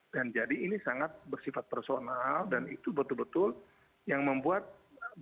dan jadi ini sangat bersifat personal dan itu betul betul yang membuat banyak skandal